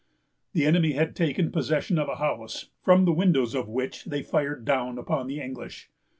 The enemy had taken possession of a house, from the windows of which they fired down upon the English.